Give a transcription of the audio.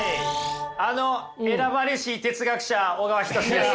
あの選ばれし哲学者小川仁志です。